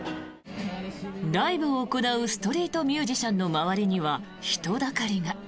ライブを行うストリートミュージシャンの周りには人だかりが。